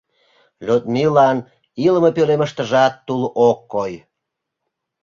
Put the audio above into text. Людмилан илыме пӧлемыштыжат тул ок кой.